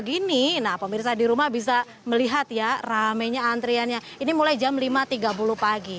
gini nah pemirsa di rumah bisa melihat ya rame nya antriannya ini mulai jam lima tiga puluh pagi